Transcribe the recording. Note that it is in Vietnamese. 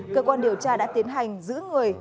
cơ quan điều tra đã tiến hành giữ người